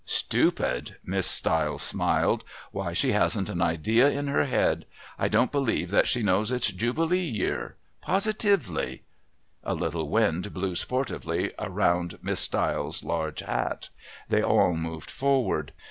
"Stupid!" Miss Stiles laughed. "Why, she hasn't an idea in her head. I don't believe that she knows it's Jubilee Year. Positively!" A little wind blew sportively around Miss Stiles' large hat. They all moved forward.